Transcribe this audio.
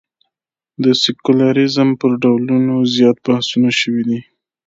د سیکولریزم پر ډولونو زیات بحثونه شوي دي.